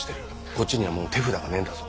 こっちにはもう手札がねえんだぞ？